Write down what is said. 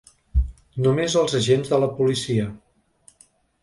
Només els agents de la policia.